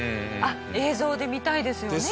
映像で見たいですよね。